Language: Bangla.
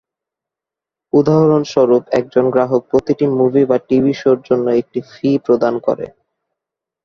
উদাহরণস্বরূপ, একজন গ্রাহক প্রতিটি মুভি বা টিভি শোর জন্য একটি ফি প্রদান করে।